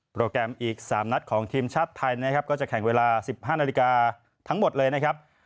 แกรมอีก๓นัดของทีมชาติไทยนะครับก็จะแข่งเวลา๑๕นาฬิกาทั้งหมดเลยนะครับ